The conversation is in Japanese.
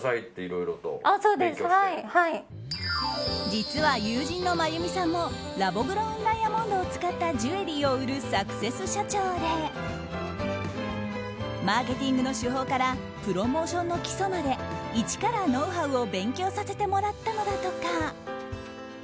実は友人の真弓さんもラボグロウンダイヤモンドを使ったジュエリーを売るサクセス社長でマーケティングの手法からプロモーションの基礎まで一からノウハウを勉強させてもらったのだとか。